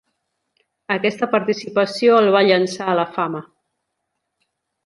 Aquesta participació el va llençar a la fama.